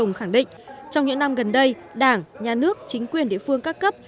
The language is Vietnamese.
ông khẳng định trong những năm gần đây đảng nhà nước chính quyền địa phương các cấp